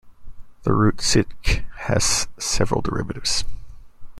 The root "sidq" has several derivatives.